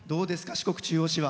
四国中央市は。